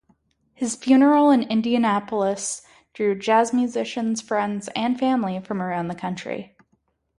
His funeral in Indianapolis drew jazz musicians, friends and family from around the country.